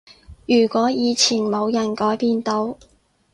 如果以前冇人改變到